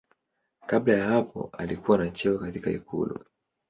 Kabla ya hapo alikuwa na cheo katika ikulu.